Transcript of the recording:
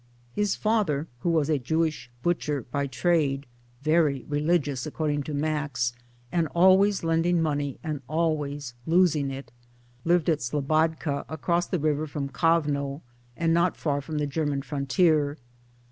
MILLTHORPIANA 177 His father, who was a Jewish butcher by trade, " very religious " according to Max " and always lending money and always losing it," lived at Slobodka across the river from Kovno, and not far from the German frontier.